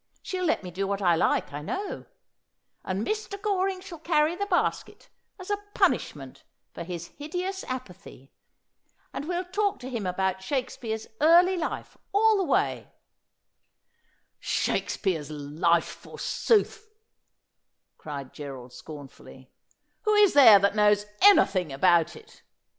She'll let me do what I like I know. And Mr. Goring shall carry the basket, as a punish ment for his hideous apathy. And we'll talk to him about Shakespeare's early life all the way.' ^ After my Might ful fayne wold I You plese.' 149 ' Shakespeare's life, forsooth !' cried Gerald scornfully. ' Who is there that knows anything about it